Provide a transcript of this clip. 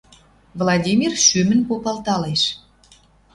Владимир шӱмӹн попалталеш: